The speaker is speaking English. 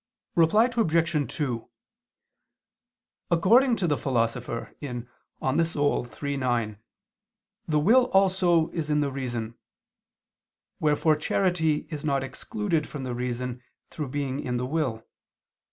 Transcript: Reply Obj. 2: According to the Philosopher (De Anima iii, 9), the will also is in the reason: wherefore charity is not excluded from the reason through being in the will.